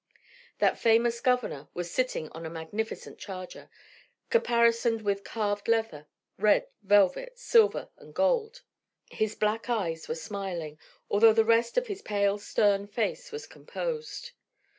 That famous governor was sitting on a magnificent charger, caparisoned with carved leather, red velvet, silver, and gold. His black eyes were smiling, although the rest of his pale stern face was composed.